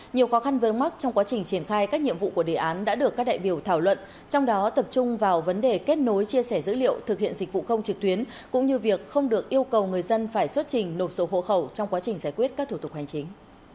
nhiều khó khăn vớn mắc trong quá trình triển khai các nhiệm vụ của đề án đã được các đại biểu thảo luận trong đó tập trung vào vấn đề kết nối chia sẻ dữ liệu thực hiện dịch vụ công trực tuyến cũng như việc không được yêu cầu người dân phải xuất trình nộp sổ hộ khẩu trong quá trình giải quyết các thủ tục hành chính